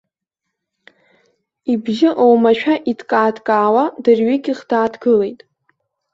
Ибжьы оумашәа иҭкаа-ҭкаауа, дырҩегьых дааҭгылеит.